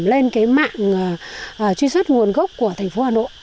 lên cái mạng truy xuất nguồn gốc của thành phố hà nội